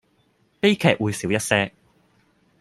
悲劇會少一些